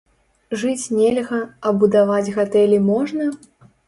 Жыць нельга, а будаваць гатэлі можна?!